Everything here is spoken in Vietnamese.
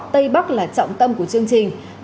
tây bắc là trọng tâm của chương trình